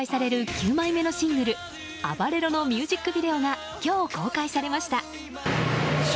９枚目のシングル「ＡＢＡＲＥＲＯ」のミュージックビデオが今日公開されました。